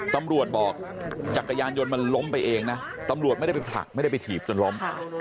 ตำรวจบอกจักรยานยนต์มันล้มไปเองนะตำรวจไม่ได้ไปผลักไม่ได้ไปถีบจนล้ม